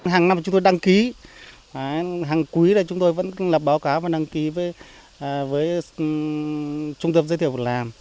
hàng năm chúng tôi đăng ký hàng quý chúng tôi vẫn lập báo cáo và đăng ký với trung tâm dịch vụ việc làm